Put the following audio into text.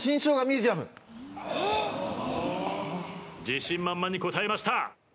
自信満々に答えました。